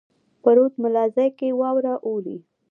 په رود ملازۍ کښي واوره اوري.